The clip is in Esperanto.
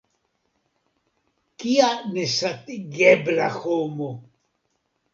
Kia nesatigebla homo!